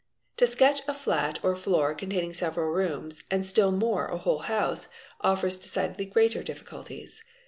To sketch a flat or floor containing several rooms, and still more _ a whole house, offers decidedly greater difficulties.